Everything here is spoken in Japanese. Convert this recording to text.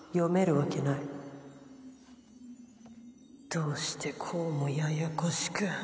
どうしてこうもややこしく。